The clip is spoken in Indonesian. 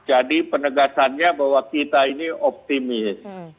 jadi penegasannya bahwa kita ini optimis